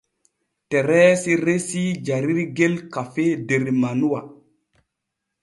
Tereesi resii jarirgel kafee der manuwa.